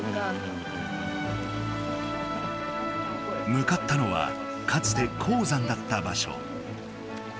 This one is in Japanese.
むかったのはかつて鉱山だった場所。